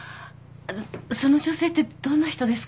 その女性ってどんな人ですか？